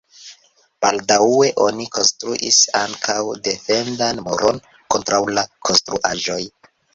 Baldaŭe oni konstruis ankaŭ defendan muron kontraŭ la konstruaĵoj.